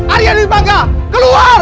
arya dirbangga keluar